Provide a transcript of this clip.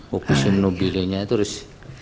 hukus yang nubilnya itu harus